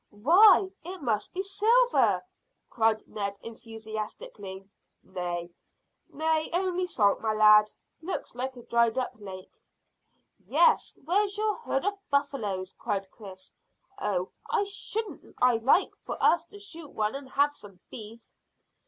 "Why, it must be silver," cried Ned enthusiastically. "Nay, nay, only salt, my lad. Looks like a dried up lake." "Yes; where's your herd of buffaloes?" cried Chris. "Oh, shouldn't I like for us to shoot one and have some beef!"